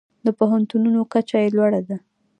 د پوهنتونونو کچه یې لوړه ده.